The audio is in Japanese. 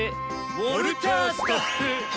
ウォルタースタッフ！